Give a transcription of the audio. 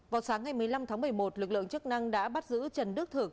vào sáng ngày một mươi năm tháng một mươi một lực lượng chức năng đã bắt giữ trần đức thực